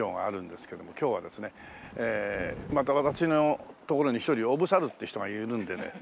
今日はですねまた私のところに１人おぶさるって人がいるんでね。